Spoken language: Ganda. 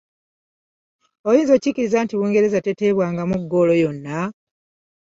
Oyinza okukikkiriza nti Bungereza teteebwangamu ggoolo yonna?